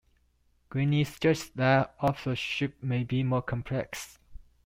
Greene suggests that authorship may be more complex.